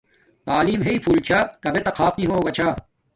تعلیم ھاݵ پھول چھا کبے تا خاپ نی ہوگا چھا